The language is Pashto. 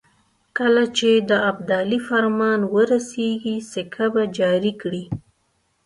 کله چې د ابدالي فرمان ورسېږي سکه به جاري کړي.